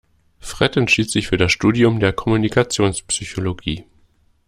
Fred entschied sich für das Studium der Kommunikationspsychologie.